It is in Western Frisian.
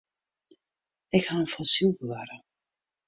Ik hie in fossyl bewarre.